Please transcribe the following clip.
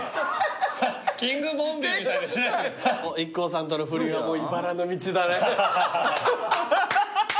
ＩＫＫＯさんとの不倫はもういばらの道だね。